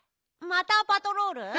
またパトロール？